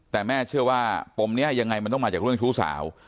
แต่แม่เชื่อว่าปมนี้ยังไงมันต้องมาจากเรื่องชู้สาว